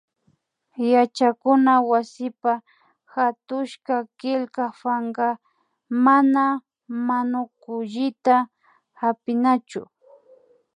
Yachakuna wasipa hatushka killka pankaka mana manukullita hapinachu